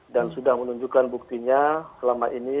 dan sudah menunjukkan buktinya selama ini